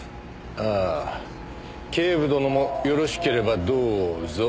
ああ警部殿もよろしければどうぞ。